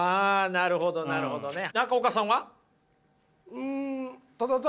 なるほどなるほどはい！